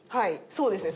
そうですね。